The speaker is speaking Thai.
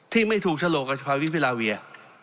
ที่ไม่ถูกฉลกกับสภาวิทยาลาเวีย